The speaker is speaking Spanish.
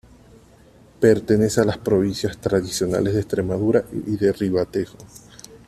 Pertenece a las provincias tradicionales de Estremadura y de Ribatejo.